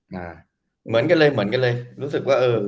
มาเหมือนกันเลยเหมือนกันเลยรู้สึกว่าเออ